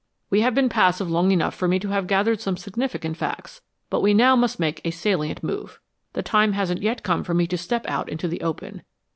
We have been passive long enough for me to have gathered some significant facts, but we now must make a salient move. The time hasn't yet come for me to step out into the open.